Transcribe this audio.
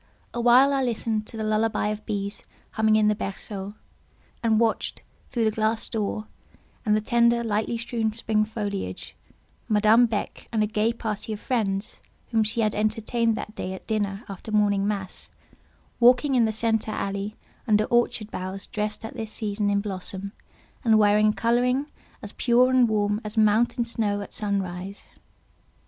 Awhile I listened to the lullaby of bees humming in the berceau, and watched, through the glass door and the tender, lightly strewn spring foliage, Madame Beck and a gay party of friends, whom she had entertained that day at dinner after morning mass, walking in the centre alley under orchard boughs dressed at this season in blossom, and wearing a colouring as pure and warm as mountain snow at sun rise.